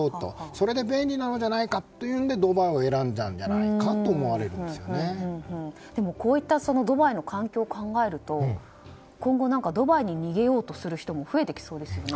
それで便利なんじゃないかというのでドバイを選んだんじゃないかとこういったドバイの環境を考えると今後ドバイに逃げようとする人も増えてきそうですよね。